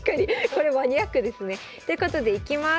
これマニアックですね。ということでいきます。